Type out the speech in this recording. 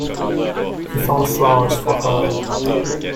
He found flowers for her.